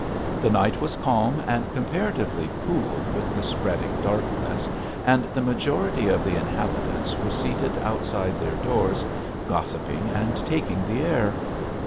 The night was calm and comparatively cool with the spreading darkness, and the majority of the inhabitants were seated outside their doors gossiping and taking the air.